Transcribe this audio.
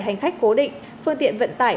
hành khách cố định phương tiện vận tải